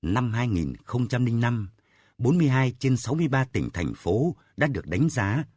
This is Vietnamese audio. năm hai nghìn năm bốn mươi hai trên sáu mươi ba tỉnh thành phố đã được đánh giá